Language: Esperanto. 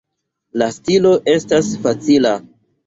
La stilo estas facila.